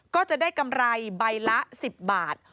ก็จะได้กำไรใบละ๑๐บาท